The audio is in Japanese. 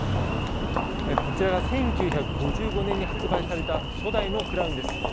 こちらが１９５５年に発売された初代のクラウンです。